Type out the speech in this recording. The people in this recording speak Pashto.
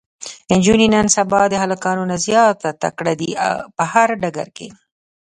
انجونې نن سبا د هلکانو نه زياته تکړه دي په هر ډګر کې